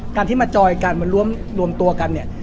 การที่มาจอยกันมารวมตัวกันเนี่ย